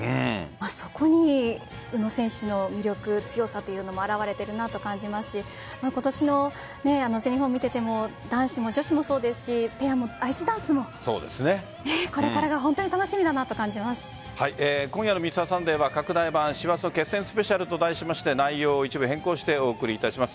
そこに宇野選手の魅力強さというのも表れているなと感じますし今年の全日本を見ていても男子も女子もそうですしペアもアイスダンスもこれからが今夜の「Ｍｒ．サンデー」は拡大版師走の決戦スペシャルと題しまして内容を一部変更してお送りいたします。